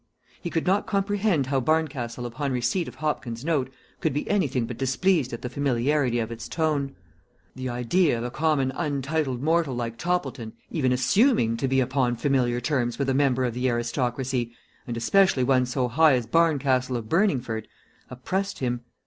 He could not comprehend how Barncastle upon receipt of Hopkins' note could be anything but displeased at the familiarity of its tone. The idea of a common untitled mortal like Toppleton even assuming to be upon familiar terms with a member of the aristocracy, and especially one so high as Barncastle of Burningford, oppressed him.